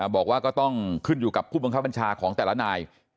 บอกว่าก็ต้องขึ้นอยู่กับผู้บังคับบัญชาของแต่ละนาย